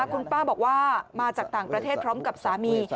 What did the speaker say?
คุณป้าบอกว่ามาจากต่างประเทศพร้อมกับสามี